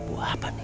buah apa nih